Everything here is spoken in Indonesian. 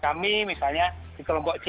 kami misalnya di kelompok c